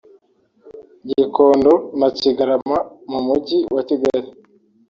Gikondo na Kigarama mu Mujyi wa Kigali